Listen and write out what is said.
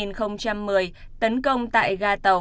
năm hai nghìn một mươi tấn công tại ga tàu